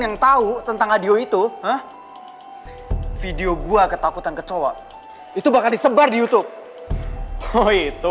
yang tahu tentang adio itu video gua ketakutan kecok itu bakal disebar di youtube oh itu